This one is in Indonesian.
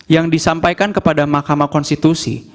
yang disampaikan kepada mahkamah konstitusi